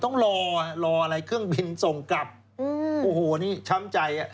ต้องรอรออะไรเครื่องบินส่งกลับโอ้โหนี่ช้ำใจอ่ะ